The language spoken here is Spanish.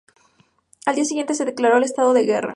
Al día siguiente se declaró el estado de guerra.